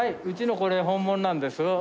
うちのこれ本物なんです。